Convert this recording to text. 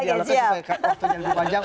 di alasan supaya waktu lebih panjang